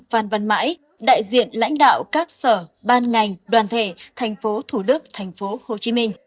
phan văn mãi đại diện lãnh đạo các sở ban ngành đoàn thể thành phố thủ đức thành phố hồ chí minh